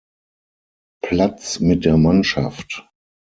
Platz mit der Mannschaft.